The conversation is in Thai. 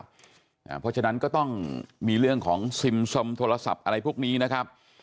เพราะฉะนั้นก็ต้องมีเรื่องของซิมสมโทรศัพท์อะไรพวกนี้นะครับ